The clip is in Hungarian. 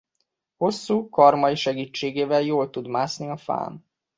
Hosszú karmai segítségével jól tud mászni a fán.